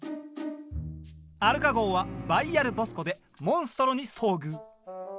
アルカ号はバイアルボスコでモンストロに遭遇。